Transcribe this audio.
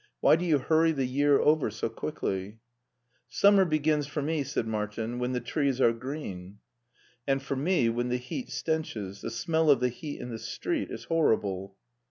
Why do you hurry the year over so quickly ?"" Summer begins for me/' said Martin, " when the trees are green." " And for me when the heat stenches. The smell of the heat in the street is horrible."